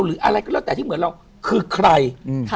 หรืออะไรก็แล้วแต่ที่เหมือนเราคือใคร